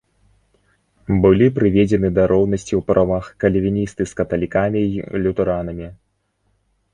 Былі прыведзены да роўнасці ў правах кальвіністы з каталікамі і лютэранамі.